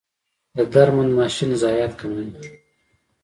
د درمند ماشین ضایعات کموي؟